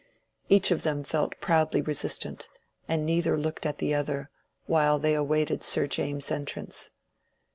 Each of them felt proudly resistant, and neither looked at the other, while they awaited Sir James's entrance.